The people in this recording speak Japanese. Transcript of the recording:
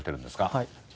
はい。